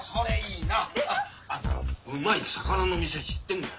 うまい魚の店知ってんだよ。